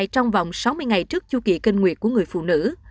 trong vòng sáu mươi ngày trước chu kỳ kinh nguyệt của người phụ nữ